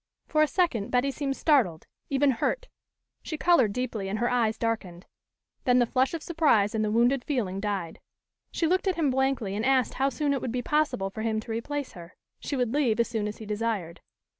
For a second, Betty seemed startled, even hurt. She colored deeply and her eyes darkened. Then the flush of surprise and the wounded feeling died. She looked at him blankly and asked how soon it would be possible for him to replace her. She would leave as soon as he desired.